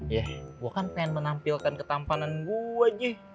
ya gue kan pengen menampilkan ketampanan gue aja